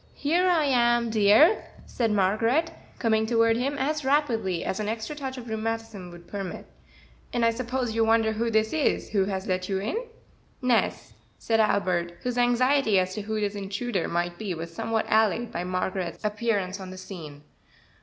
"Here I am, dear," said Margaret, coming toward him as rapidly as an extra touch of rheumatism would permit, "and I suppose you wonder who this is who has let you in?" "Nes," said Albert, whose anxiety as to who this intruder might be was somewhat allayed by Margaret's appearance on the scene.